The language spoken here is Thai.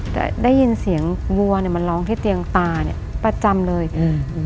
แต่ได้ยินเสียงวัวเนี้ยมันร้องที่เตียงตาเนี้ยประจำเลยอืม